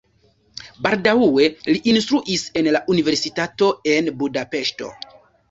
Baldaŭe li instruis en la universitato en Budapeŝto.